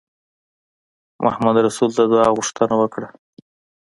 محمدرسول د دعا غوښتنه وکړه.